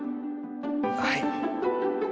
はい。